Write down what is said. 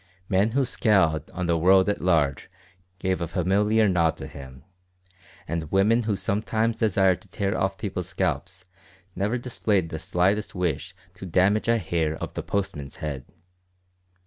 Men who scowled on the world at large gave a familiar nod to him, and women who sometimes desired to tear off people's scalps never displayed the slightest wish to damage a hair of the postman's head.